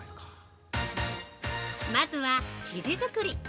まずは生地作り。